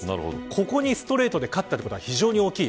ここにストレートで勝ったことは非常に大きい。